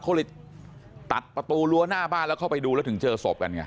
เขาเลยตัดประตูรั้วหน้าบ้านแล้วเข้าไปดูแล้วถึงเจอศพกันไง